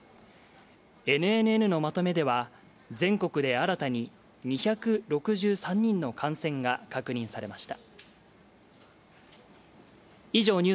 ＮＮＮのまとめでは全国で新たに２６３人の感染が確認されました。